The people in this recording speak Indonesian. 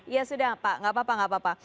ya sudah pak tidak apa apa